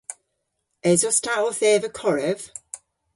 Esos ta owth eva korev?